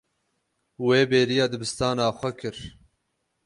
Wê bêriya dibistana xwe kir.